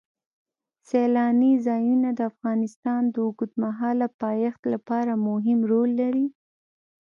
سیلانی ځایونه د افغانستان د اوږدمهاله پایښت لپاره مهم رول لري.